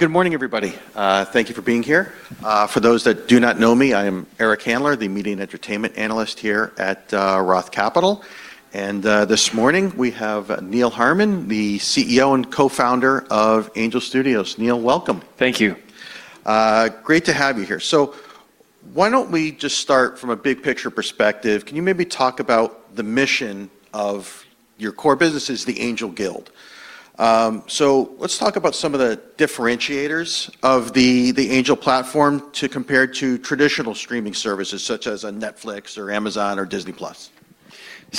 Good morning, everybody. Thank you for being here. For those that do not know me, I am Eric Handler, the media and entertainment analyst here at Roth Capital. This morning we have Neal Harmon, the CEO and Co-founder of Angel Studios. Neal, welcome. Thank you. Great to have you here. Why don't we just start from a big picture perspective? Can you maybe talk about the mission of your core business as the Angel Guild? Let's talk about some of the differentiators of the Angel platform to compare to traditional streaming services such as Netflix or Amazon or Disney+.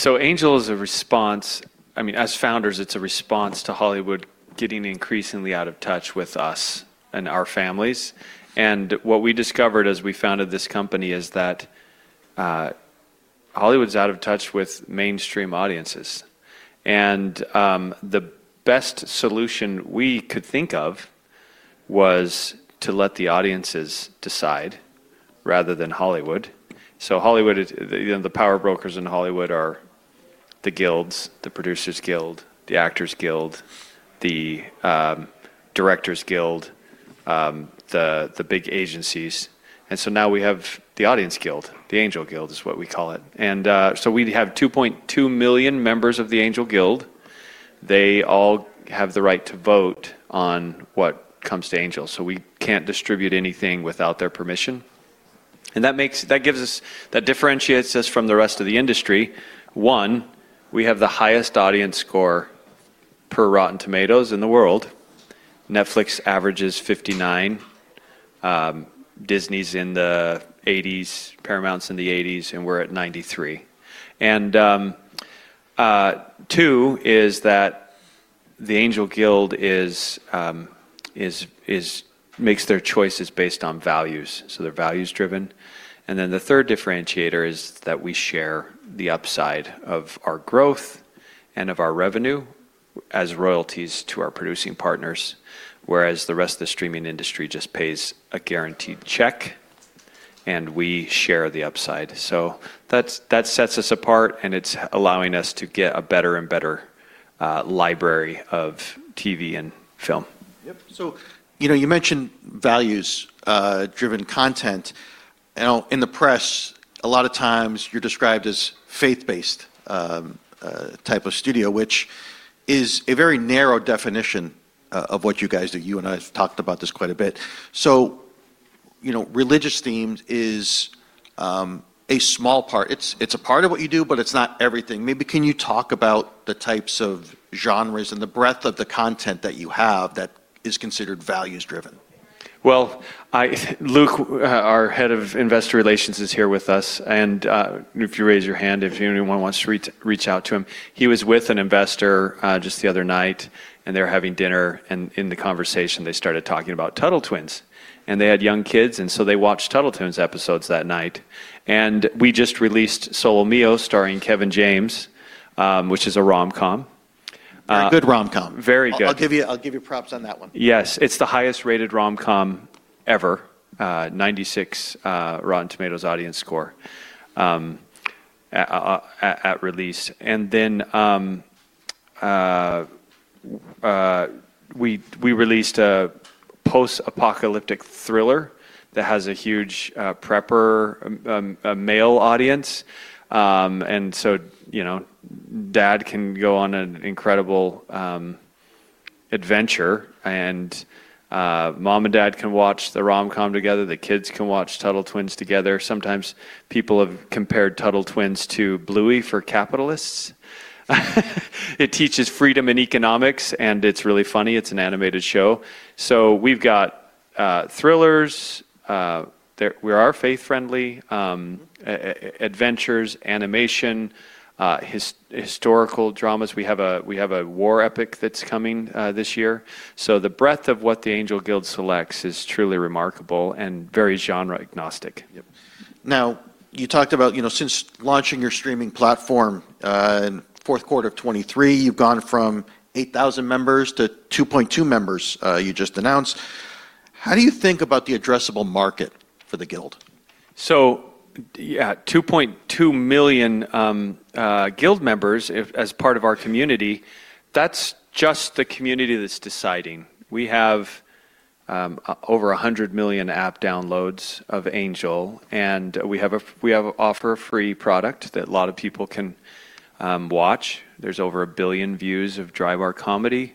Angel is a response. I mean, as founders, it's a response to Hollywood getting increasingly out of touch with us and our families. What we discovered as we founded this company is that Hollywood's out of touch with mainstream audiences. The best solution we could think of was to let the audiences decide rather than Hollywood. You know, the power brokers in Hollywood are the guilds, the Producers Guild, the Actors Guild, the Directors Guild, the big agencies. Now we have the audience guild. The Angel Guild is what we call it. We have 2.2 million members of the Angel Guild. They all have the right to vote on what comes to Angel. We can't distribute anything without their permission. That differentiates us from the rest of the industry. One, we have the highest audience score per Rotten Tomatoes in the world. Netflix averages 59. Disney's in the 80s, Paramount's in the 80s, and we're at 93. Two is that the Angel Guild makes their choices based on values, so they're values-driven. Then the third differentiator is that we share the upside of our growth and of our revenue as royalties to our producing partners, whereas the rest of the streaming industry just pays a guaranteed check, and we share the upside. That sets us apart, and it's allowing us to get a better and better library of TV and film. Yep. You know, you mentioned values driven content. Now, in the press, a lot of times you're described as faith-based type of studio, which is a very narrow definition of what you guys do. You and I have talked about this quite a bit. You know, religious themes is a small part. It's a part of what you do, but it's not everything. Maybe can you talk about the types of genres and the breadth of the content that you have that is considered values-driven? Well, Luke, our head of investor relations, is here with us. If you raise your hand, if anyone wants to reach out to him. He was with an investor just the other night, and they were having dinner, and in the conversation they started talking about Tuttle Twins. They had young kids, and so they watched Tuttle Twins episodes that night. We just released Solo Mio starring Kevin James, which is a rom-com. A good rom-com. Very good. I'll give you props on that one. Yes. It's the highest rated rom-com ever, 96 Rotten Tomatoes audience score at release. We released a post-apocalyptic thriller that has a huge prepper male audience. You know, Dad can go on an incredible adventure, and Mom and Dad can watch the rom-com together. The kids can watch Tuttle Twins together. Sometimes people have compared Tuttle Twins to Bluey for capitalists. It teaches freedom and economics, and it's really funny. It's an animated show. We've got thrillers. We are faith-friendly adventures, animation, historical dramas. We have a war epic that's coming this year. The breadth of what the Angel Guild selects is truly remarkable and very genre agnostic. Yep. Now, you talked about, you know, since launching your streaming platform in fourth quarter of 2023, you've gone from 8,000 members to 2.2 million members, you just announced. How do you think about the addressable market for the Guild? 2.2 million Guild members as part of our community, that's just the community that's deciding. We have over 100 million app downloads of Angel, and we offer a free product that a lot of people can watch. There's over 1 billion views of Dry Bar Comedy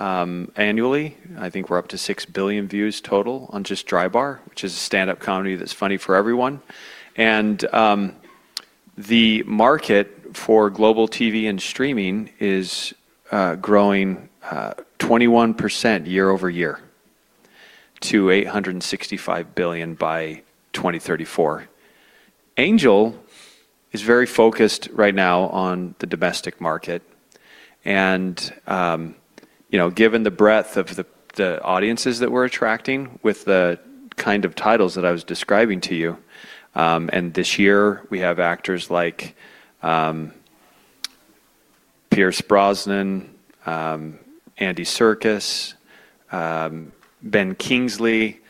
annually. I think we're up to 6 billion views total on just Dry Bar, which is a stand-up comedy that's funny for everyone. The market for global TV and streaming is growing 21% year-over-year to $865 billion by 2034. Angel is very focused right now on the domestic market. You know, given the breadth of the audiences that we're attracting with the kind of titles that I was describing to you, and this year we have actors like Pierce Brosnan, Andy Serkis, Ben Kingsley,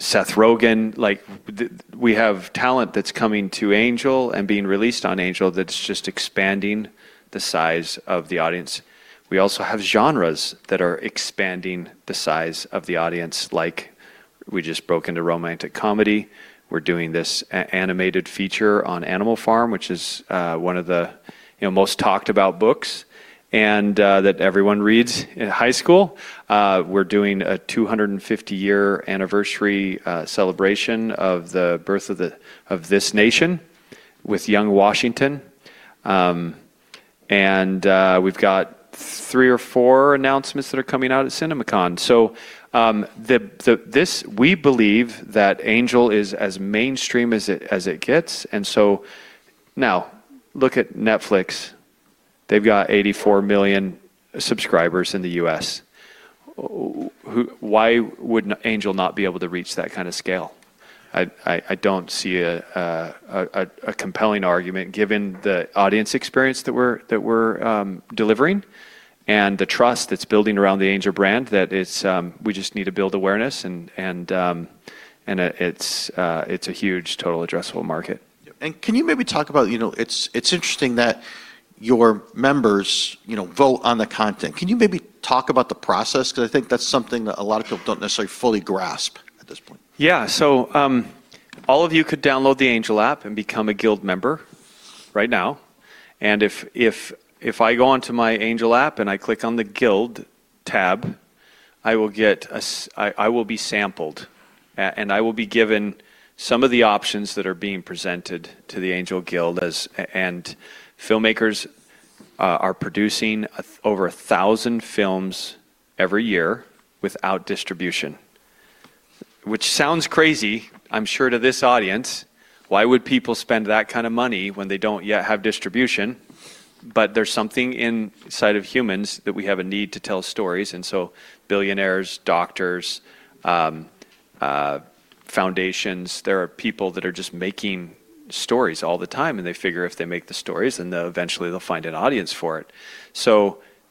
Seth Rogen. Like, we have talent that's coming to Angel and being released on Angel that's just expanding the size of the audience. We also have genres that are expanding the size of the audience, like we just broke into romantic comedy, we're doing this animated feature on Animal Farm, which is one of the, you know, most talked about books, and that everyone reads in high school. We're doing a 250-year anniversary celebration of the birth of this nation with Young Washington. We've got three or four announcements that are coming out at CinemaCon. We believe that Angel is as mainstream as it gets. Now look at Netflix, they've got 84 million subscribers in the U.S. Why would Angel not be able to reach that kind of scale? I don't see a compelling argument given the audience experience that we're delivering and the trust that's building around the Angel brand that it's we just need to build awareness and it's a huge total addressable market. Can you maybe talk about, you know, it's interesting that your members, you know, vote on the content. Can you maybe talk about the process? 'Cause I think that's something that a lot of people don't necessarily fully grasp at this point. Yeah. All of you could download the Angel App and become a Guild member right now. If I go onto my Angel App and I click on the Guild tab, I will be given some of the options that are being presented to the Angel Guild, and filmmakers are producing over 1,000 films every year without distribution, which sounds crazy, I'm sure, to this audience. Why would people spend that kind of money when they don't yet have distribution? There's something inside of humans that we have a need to tell stories, and billionaires, doctors, foundations, there are people that are just making stories all the time, and they figure if they make the stories, then they'll eventually find an audience for it.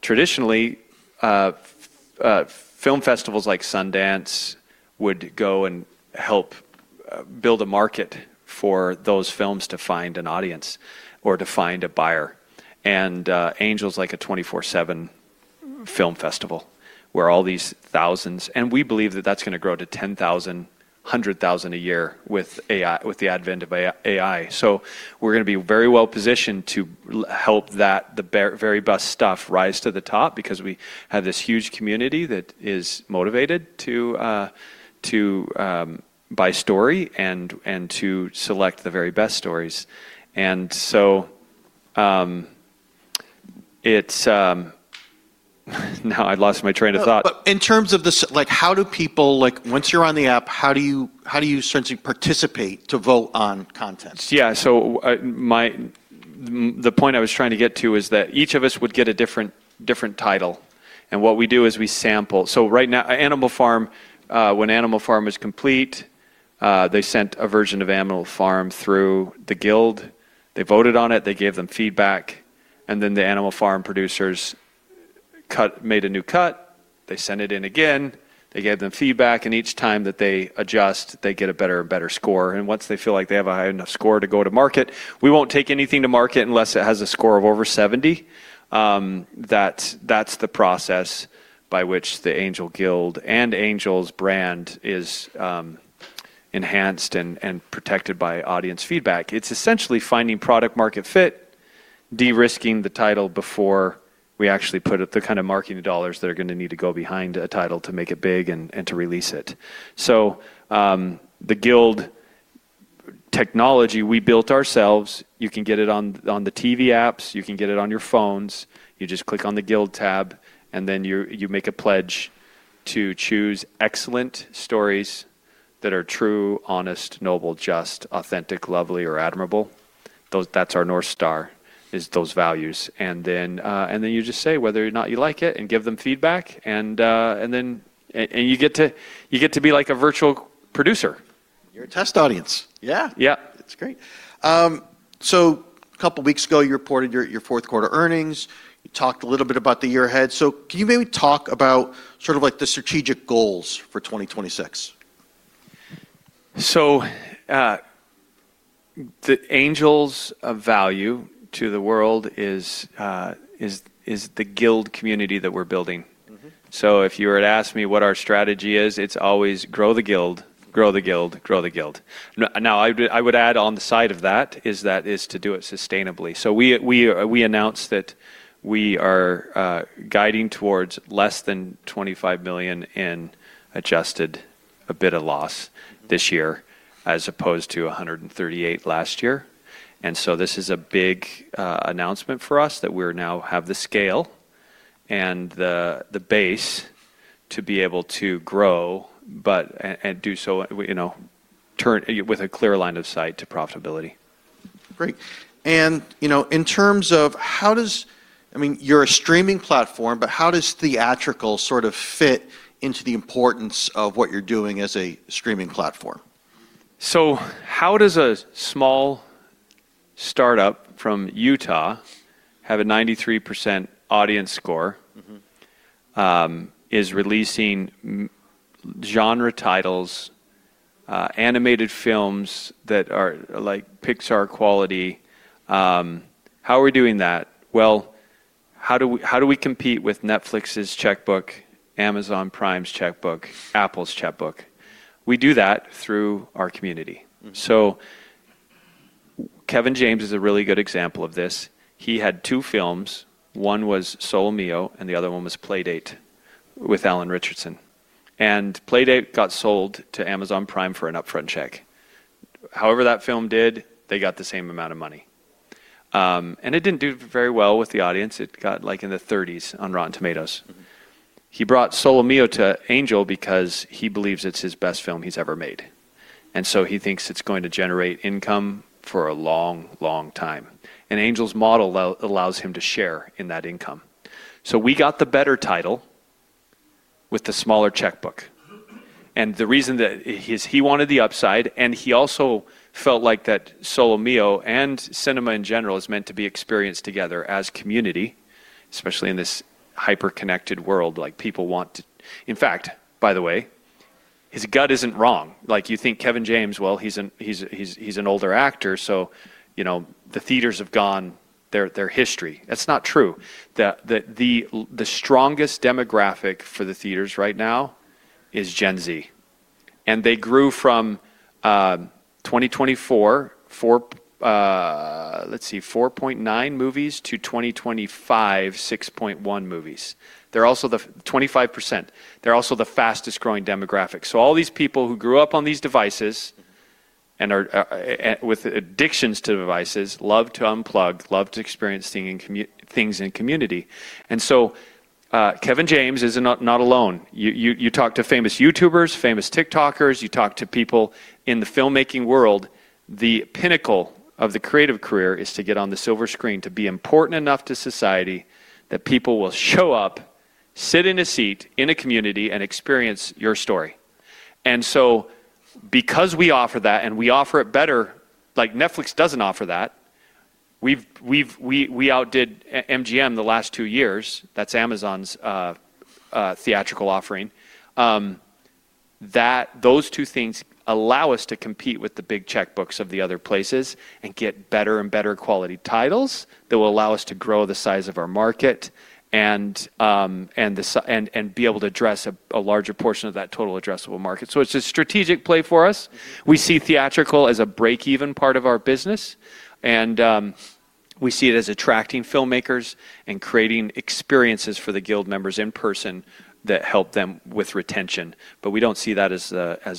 Traditionally, film festivals like Sundance would go and help build a market for those films to find an audience or to find a buyer. Angel is like a 24/7 film festival where all these thousands. We believe that that's gonna grow to 10,000, 100,000 a year with AI, with the advent of AI. We're gonna be very well positioned to help that, the very best stuff rise to the top because we have this huge community that is motivated to buy story and to select the very best stories. Now I've lost my train of thought. No, but in terms of like, how do people like, once you're on the app, how do you essentially participate to vote on content? Yeah. The point I was trying to get to is that each of us would get a different title, and what we do is we sample. Right now, Animal Farm, when Animal Farm is complete, they sent a version of Animal Farm through the Guild. They voted on it, they gave them feedback, and then the Animal Farm producers made a new cut, they sent it in again, they gave them feedback, and each time that they adjust, they get a better and better score. Once they feel like they have a high enough score to go to market, we won't take anything to market unless it has a score of over 70. That's the process by which the Angel Guild and Angel's brand is enhanced and protected by audience feedback. It's essentially finding product market fit, de-risking the title before we actually put up the kind of marketing dollars that are gonna need to go behind a title to make it big and to release it. The Guild technology we built ourselves, you can get it on the TV apps, you can get it on your phones. You just click on the Guild tab, and then you make a pledge to choose excellent stories that are true, honest, noble, just, authentic, lovely or admirable. That's our North Star, is those values. You just say whether or not you like it and give them feedback and you get to be like a virtual producer. You're a test audience. Yeah. Yeah. That's great. A couple of weeks ago, you reported your fourth quarter earnings. You talked a little bit about the year ahead. Can you maybe talk about sort of like the strategic goals for 2026? The Angel Studios' value to the world is the Guild community that we're building. Mm-hmm. If you were to ask me what our strategy is, it's always grow the Guild. Now I would add on the side of that is to do it sustainably. We announced that we are guiding towards less than $25 million in adjusted EBITDA loss this year, as opposed to $138 million last year. This is a big announcement for us that we now have the scale and the base to be able to grow, but to do so, you know, with a clear line of sight to profitability. Great. You know, in terms of, I mean, you're a streaming platform, but how does theatrical sort of fit into the importance of what you're doing as a streaming platform? How does a small startup from Utah have a 93% audience score is releasing genre titles, animated films that are like Pixar quality. How are we doing that? How do we compete with Netflix's checkbook, Amazon Prime's checkbook, Apple's checkbook? We do that through our community. Mm-hmm. Kevin James is a really good example of this. He had two films. One was Solo Mio, and the other one was Playdate with Alan Ritchson. Playdate got sold to Amazon Prime for an upfront check. However that film did, they got the same amount of money. It didn't do very well with the audience. It got in the 30s on Rotten Tomatoes. Mm-hmm. He brought Solo Mio to Angel because he believes it's his best film he's ever made, and so he thinks it's going to generate income for a long, long time. Angel's model allows him to share in that income. We got the better title with the smaller checkbook. The reason that he wanted the upside, and he also felt like that Solo Mio and cinema in general is meant to be experienced together as community, especially in this hyper-connected world. Like, people want. In fact, by the way, his gut isn't wrong. Like, you think Kevin James, well, he's an older actor, so, you know, the theaters have gone. They're history. That's not true. The strongest demographic for the theaters right now is Gen Z, and they grew from 2024, 4.9 movies to 2025, 6.1 movies. They're also the fastest-growing demographic, 25%. All these people who grew up on these devices and are addicted to devices love to unplug, love to experience things in community. Kevin James is not alone. You talk to famous YouTubers, famous TikTokers, you talk to people in the filmmaking world. The pinnacle of the creative career is to get on the silver screen, to be important enough to society that people will show up, sit in a seat in a community, and experience your story. Because we offer that, and we offer it better, like Netflix doesn't offer that, we outdid MGM the last two years. That's Amazon's theatrical offering. Those two things allow us to compete with the big checkbooks of the other places and get better and better quality titles that will allow us to grow the size of our market and be able to address a larger portion of that total addressable market. It's a strategic play for us. We see theatrical as a break-even part of our business, and we see it as attracting filmmakers and creating experiences for the guild members in person that help them with retention. We don't see that as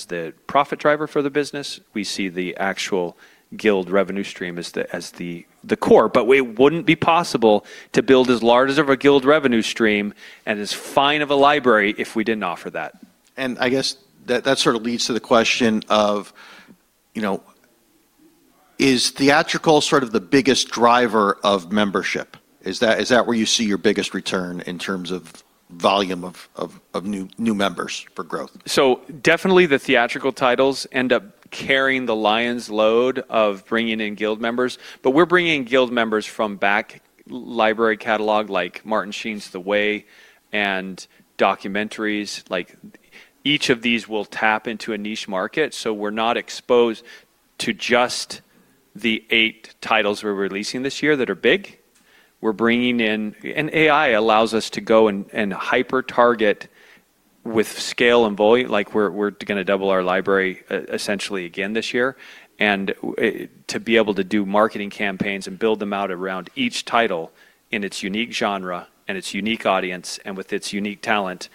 the profit driver for the business. We see the actual guild revenue stream as the core. It wouldn't be possible to build as large of a guild revenue stream and as fine of a library if we didn't offer that. I guess that sort of leads to the question of, you know, is theatrical sort of the biggest driver of membership? Is that where you see your biggest return in terms of volume of new members for growth? Definitely the theatrical titles end up carrying the lion's load of bringing in guild members, but we're bringing guild members from back library catalog like Martin Sheen's The Way and documentaries. Like, each of these will tap into a niche market, so we're not exposed to just the eight titles we're releasing this year that are big. We're bringing in. AI allows us to go and hyper target with scale and volume, like, we're gonna double our library essentially again this year. To be able to do marketing campaigns and build them out around each title in its unique genre and its unique audience and with its unique talent,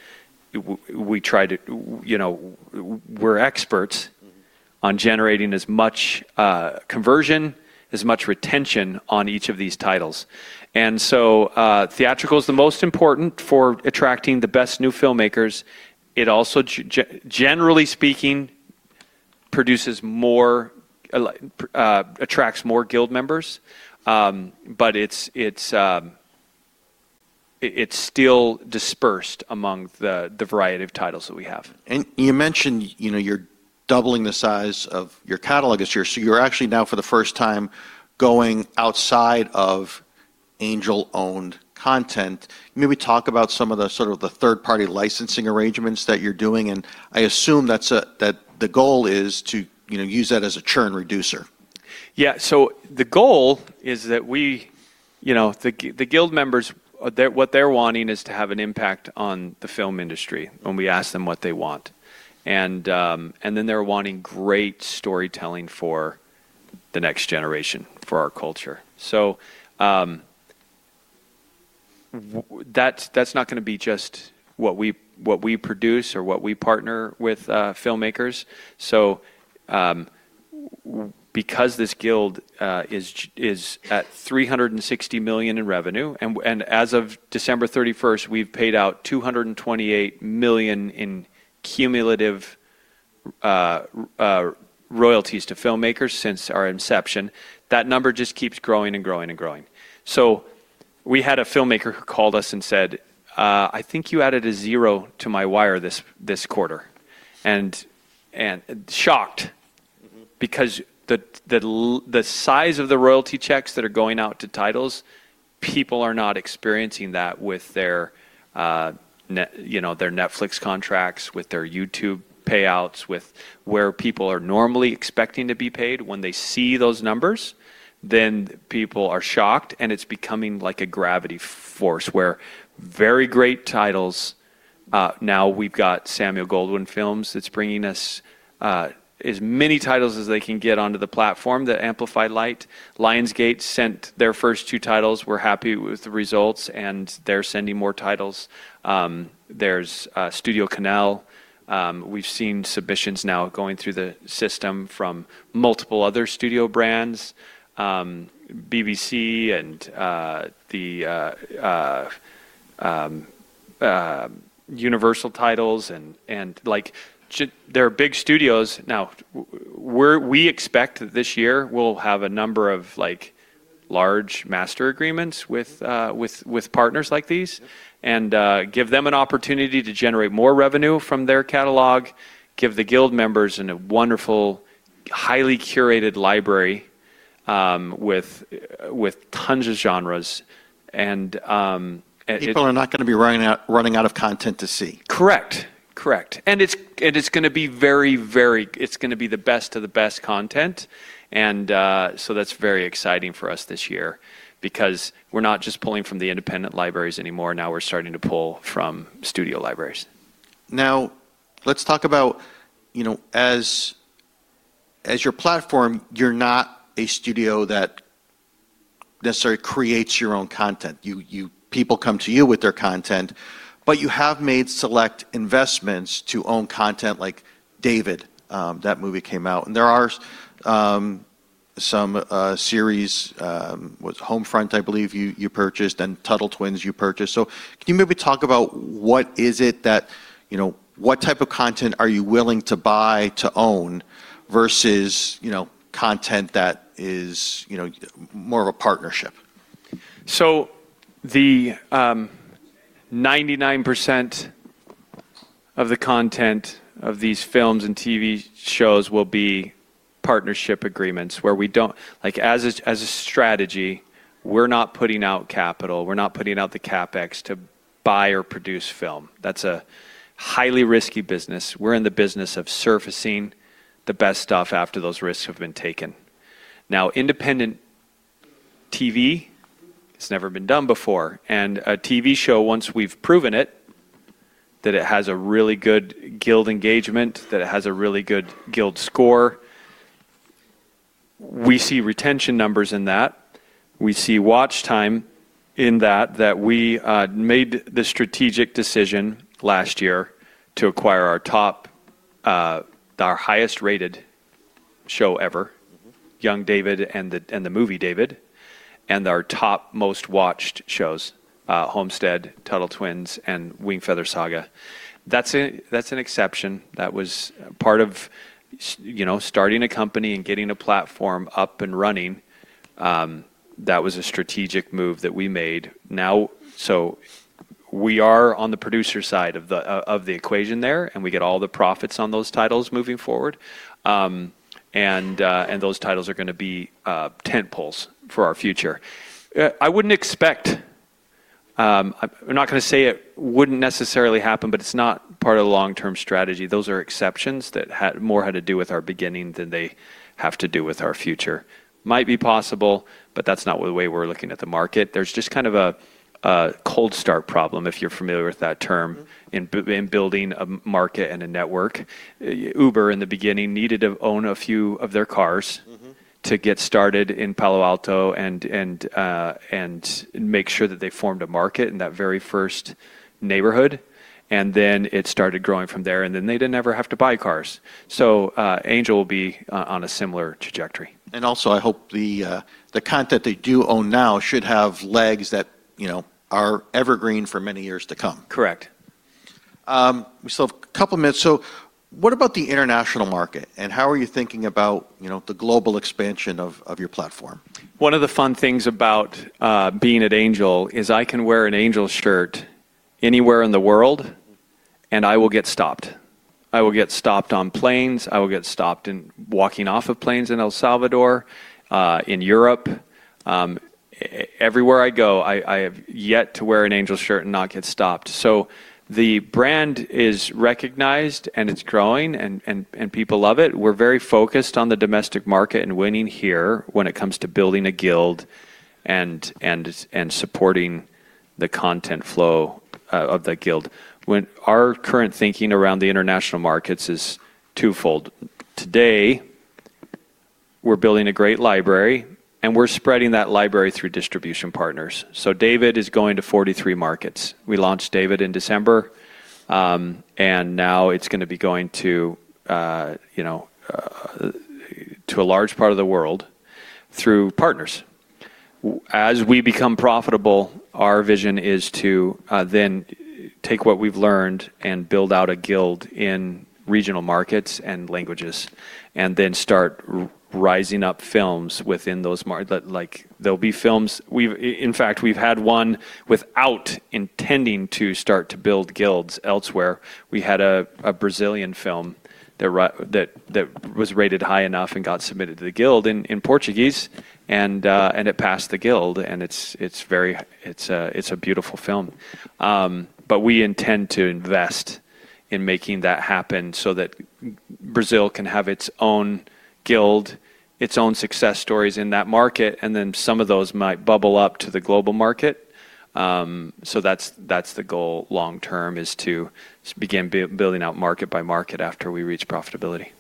we try to. You know, we're experts on generating as much conversion, as much retention on each of these titles. Theatrical is the most important for attracting the best new filmmakers. It also generally speaking produces more, attracts more guild members. It's still dispersed among the variety of titles that we have. You mentioned, you know, you're doubling the size of your catalog this year. You're actually now for the first time going outside of Angel-owned content. Can we talk about some of the sort of third-party licensing arrangements that you're doing? I assume that's the goal is to, you know, use that as a churn reducer. Yeah. The goal is that we, you know, the guild members, they're what they're wanting is to have an impact on the film industry when we ask them what they want. Then they're wanting great storytelling for the next generation, for our culture. That's not gonna be just what we produce or what we partner with, filmmakers. Because this guild is at $360 million in revenue, and as of December 31, we've paid out $228 million in cumulative royalties to filmmakers since our inception. That number just keeps growing and growing and growing. We had a filmmaker who called us and said, "I think you added a zero to my wire this quarter." Shocked because the size of the royalty checks that are going out to titles, people are not experiencing that with their, you know, their Netflix contracts, with their YouTube payouts, with where people are normally expecting to be paid. When they see those numbers, people are shocked, and it's becoming like a gravity force where very great titles. Now we've got Samuel Goldwyn Films that's bringing us as many titles as they can get onto the platform, the Amplify Light. Lionsgate sent their first two titles. We're happy with the results, and they're sending more titles. There's StudioCanal. We've seen submissions now going through the system from multiple other studio brands, BBC and the Universal titles and like there are big studios. We expect this year we'll have a number of, like, large master agreements with partners like these and give them an opportunity to generate more revenue from their catalog, give the Guild members in a wonderful, highly curated library with tons of genres and People are not gonna be running out of content to see. Correct. It's gonna be the best of the best content and so that's very exciting for us this year because we're not just pulling from the independent libraries anymore. Now we're starting to pull from studio libraries. Now let's talk about, you know, as your platform, you're not a studio that necessarily creates your own content. You, people come to you with their content, but you have made select investments to own content like David, that movie came out, and there are some series, Homestead, I believe you purchased and Tuttle Twins you purchased. Can you maybe talk about what is it that, you know, what type of content are you willing to buy to own versus, you know, content that is, you know, more of a partnership? The 99% of the content of these films and TV shows will be partnership agreements where we don't. Like, as a strategy, we're not putting out capital. We're not putting out the CapEx to buy or produce film. That's a highly risky business. We're in the business of surfacing the best stuff after those risks have been taken. Now, independent TV, it's never been done before, and a TV show, once we've proven it, that it has a really good Guild engagement, that it has a really good Guild score, we see retention numbers in that. We see watch time in that we made the strategic decision last year to acquire our highest-rated show ever. Mm-hmm Young David and the movie David and our top most watched shows, Homestead, Tuttle Twins, and Wingfeather Saga. That's an exception. That was part of you know, starting a company and getting a platform up and running. That was a strategic move that we made now. We are on the producer side of the equation there, and we get all the profits on those titles moving forward. Those titles are gonna be tentpoles for our future. I wouldn't expect. I'm not gonna say it wouldn't necessarily happen, but it's not part of the long-term strategy. Those are exceptions that had more to do with our beginning than they have to do with our future. Might be possible, but that's not the way we're looking at the market. There's just kind of a cold start problem, if you're familiar with that term. Mm-hmm in building a market and a network. Uber, in the beginning, needed to own a few of their cars- Mm-hmm to get started in Palo Alto and make sure that they formed a market in that very first neighborhood, and then it started growing from there, and then they didn't ever have to buy cars. Angel will be on a similar trajectory. I hope the content they do own now should have legs that, you know, are evergreen for many years to come. Correct. We still have a couple minutes. What about the international market, and how are you thinking about, you know, the global expansion of your platform? One of the fun things about being at Angel is I can wear an Angel shirt anywhere in the world, and I will get stopped. I will get stopped on planes. I will get stopped in walking off of planes in El Salvador, in Europe. Everywhere I go, I have yet to wear an Angel shirt and not get stopped. The brand is recognized, and it's growing, and people love it. We're very focused on the domestic market and winning here when it comes to building a guild and supporting the content flow of that guild. Our current thinking around the international markets is twofold. Today, we're building a great library, and we're spreading that library through distribution partners. David is going to 43 markets. We launched David in December, and now it's gonna be going to a large part of the world through partners. As we become profitable, our vision is to then take what we've learned and build out a guild in regional markets and languages and then start rising up films within those markets. Like, there'll be films. In fact, we've had one without intending to start to build guilds elsewhere. We had a Brazilian film that was rated high enough and got submitted to the guild in Portuguese, and it passed the guild, and it's very—it's a beautiful film. We intend to invest in making that happen so that Brazil can have its own guild, its own success stories in that market, and then some of those might bubble up to the global market. That's the goal long term is to begin building out market by market after we reach profitability.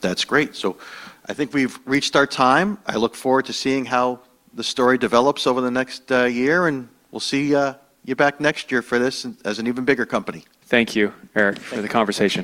That's great. I think we've reached our time. I look forward to seeing how the story develops over the next year, and we'll see you back next year for this as an even bigger company. Thank you, Eric, for the conversation.